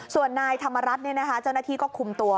ส่วนนายธรรมรัฐเจ้าหน้าที่ก็คุมตัว